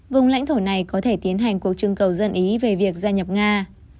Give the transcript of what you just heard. vùng lãnh thổ này có thể tiến hành cuộc trưng cầu dân ý về việc gia nhập nga